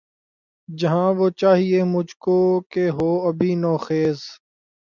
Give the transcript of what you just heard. جہاں وہ چاہیئے مجھ کو کہ ہو ابھی نوخیز